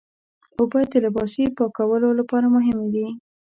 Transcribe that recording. اوبه د لباسي پاکولو لپاره مهمې دي.